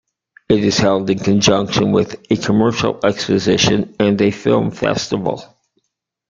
It is held in conjunction with a commercial exposition and a film festival.